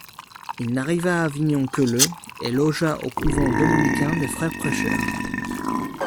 Il n'arriva à Avignon que le et logea au couvent dominicain des frères prêcheurs.